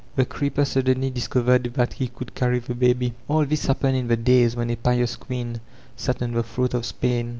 The crteptr suddenly discovered that he could carry the baby. An this happened in the days when a pknis queen sat on the throne of Spain.